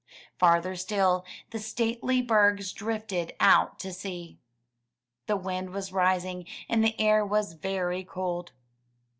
Farther still, the stately bergs drifted out to sea. The wind was rising, and the air was very cold.